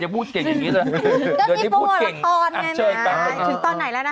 พูดเก่งจังนะ